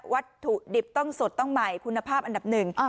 วัตถุดิบต้องสดต้องใหม่คุณภาพอันดับหนึ่ง